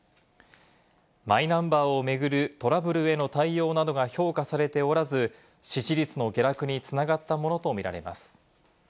マイナンバーを巡るトラブルへの対応などが評価されておらず、支持率の下落に繋がったものと見られます。